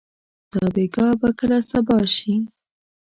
دا بېګا به کله صبا شي؟